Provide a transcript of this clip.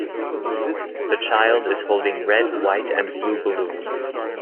This child is holding red white and blue balloons